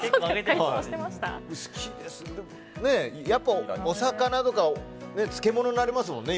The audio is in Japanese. やっぱり、お魚とか漬物になりますもんね。